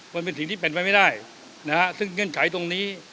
มันเป็นสิ่งที่เป็นไปไม่ได้นะฮะซึ่งเงื่อนไขตรงนี้